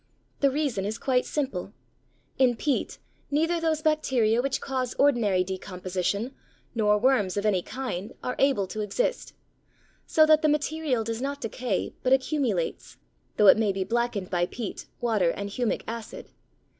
The reason is quite simple: in peat neither those bacteria which cause ordinary decomposition, nor worms of any kind, are able to exist, so that the material does not decay but accumulates, though it may be blackened by peat, water, and humic acid.